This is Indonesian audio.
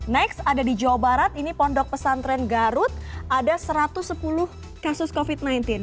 next ada di jawa barat ini pondok pesantren garut ada satu ratus sepuluh kasus covid sembilan belas